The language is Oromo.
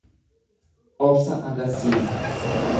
Obsa agarsiisa.